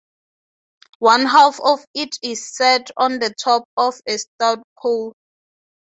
One half of it is set on the top of a stout pole.